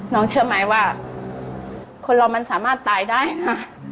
เชื่อไหมว่าคนเรามันสามารถตายได้นะ